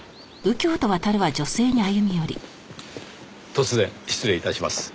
突然失礼致します。